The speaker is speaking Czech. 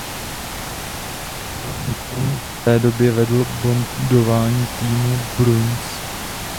Thornton v té době vedl bodování týmu Bruins.